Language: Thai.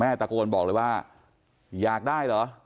ตะโกนบอกเลยว่าอยากได้เหรอ